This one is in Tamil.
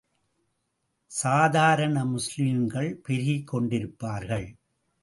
சாதாரண முஸ்லிம்கள் பெருகிக் கொண்டிருப்பார்கள்.